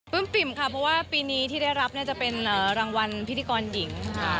ปิ่มค่ะเพราะว่าปีนี้ที่ได้รับจะเป็นรางวัลพิธีกรหญิงค่ะ